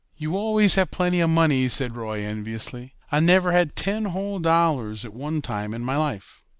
"You always have plenty of money," said Roy enviously. "I never had ten whole dollars at one time in my life."